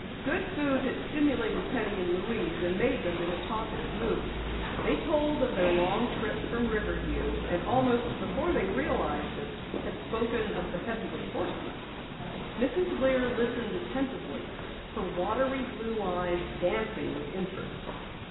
Good food had stimulated Penny and Louise and made them in a talkative mood. They told of their long trip from Riverview and almost before they realized it, had spoken of the Headless Horseman. Mrs. Lear listened attentively, her watery blue eyes dancing with interest.